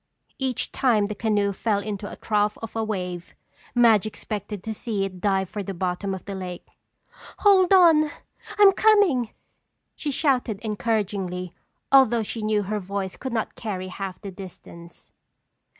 Each time the canoe fell into a trough of a wave, Madge expected to see it dive for the bottom of the lake. "Hold on! I'm coming!" she shouted encouragingly although she knew her voice could not carry half the distance.